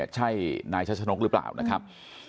ใช่นายชัชนกหรือเปล่านะครับ